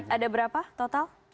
ada berapa totalnya